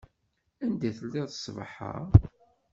Anda i telliḍ ṣṣbeḥ-a?